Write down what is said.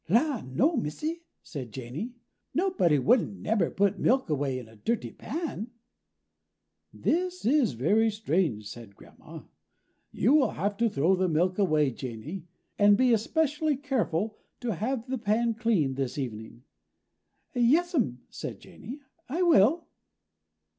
"La, no, Missy," said Janey, "nobody wouldn't nebber put milk away in a dirty pan." "This is very strange," said Grandma. "You will have to throw the milk away, Janey, and be especially careful to have the pan clean this evening." "Yes'm," said Janey, "I will."